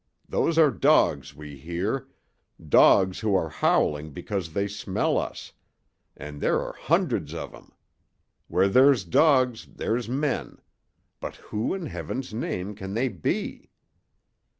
Those are dogs we hear dogs who are howling because they smell us and there are hundreds of 'em! Where there's dogs there's men but who in Heaven's name can they be?"